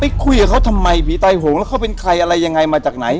คุยกับเขาทำไมผีตายโหงแล้วเขาเป็นใครอะไรยังไงมาจากไหน